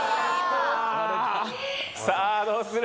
さあどうする？